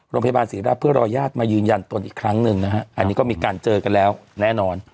โรงพยาบาลศรีราชเพื่อรอญาติมายืนยันตนอีกครั้งหนึ่งนะฮะอันนี้ก็มีการเจอกันแล้วแน่นอน